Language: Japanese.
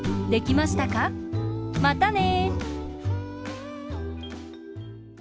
またね！